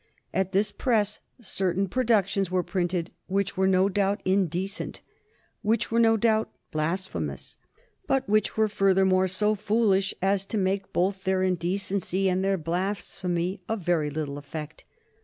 At this press certain productions were printed which were no doubt indecent, which were no doubt blasphemous, but which were furthermore so foolish as to make both their indecency and their blasphemy of very little effect.